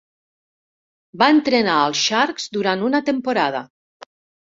Va entrenar als Sharks durant una temporada.